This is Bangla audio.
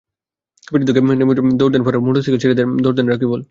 পেছন থেকে নেমে দৌড় দেন ফরহাদ, মোটরসাইকেল ছেড়ে দৌড় দেন রাকিবুল।